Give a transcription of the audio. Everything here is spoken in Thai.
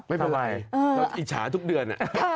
ไม่เป็นไรเราอิจฉาทุกเดือน